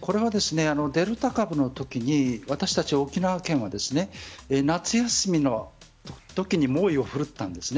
これはデルタ株のときに私たち、沖縄県は夏休みのときに猛威を振るったんです。